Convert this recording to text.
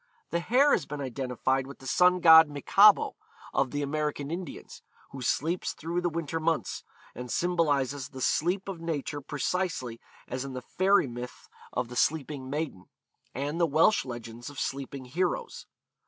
The hare has been identified with the sun god Michabo of the American Indians, who sleeps through the winter months, and symbolises the sleep of nature precisely as in the fairy myth of the Sleeping Maiden, and the Welsh legends of Sleeping Heroes.